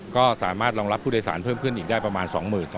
ก็สามารถรองรับผู้โดยสารเพิ่มเพื่อนอีกได้ประมาณ๒๐๐๐๐๒๐๐๐๐เสต